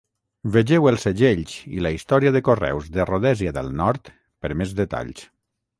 Vegeu els segells i la història de correus de Rhodèsia del Nord per més detalls.